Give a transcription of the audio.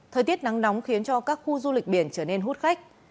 thời tiết nắng nóng khiến cho các khu du lịch biển trở nên hút khách